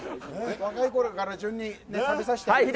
若い子らから順に食べさせてあげて。